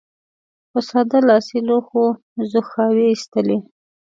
په ساده لاسي لوښو ځوښاوې اېستلې.